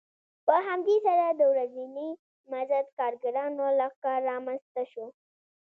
په همدې سره د ورځني مزد کارګرانو لښکر رامنځته شو